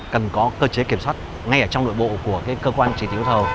cần có cơ chế kiểm soát ngay ở trong nội bộ của cơ quan trì thiếu thầu